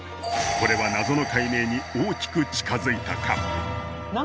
これは謎の解明に大きく近づいたか？